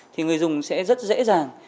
thì người dùng sẽ rất dễ dàng